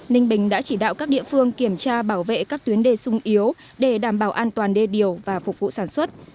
ninh bình đã chỉ đạo các địa phương kiểm tra bảo vệ các tuyến đê sung yếu để đảm bảo an toàn đê điều và phục vụ sản xuất